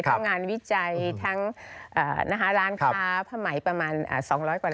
ทำงานวิจัยทั้งร้านค้าผ้าไหมประมาณ๒๐๐กว่าร้าน